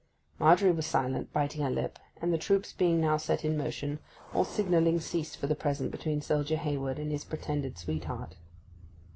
Margery was silent, biting her lip; and the troops being now set in motion, all signalling ceased for the present between soldier Hayward and his pretended sweetheart.